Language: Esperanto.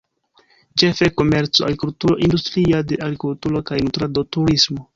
Ĉefe komerco, agrikulturo, industria de agrikulturo kaj nutrado, turismo.